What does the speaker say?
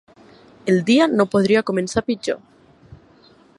El dia no podia començar pitjor.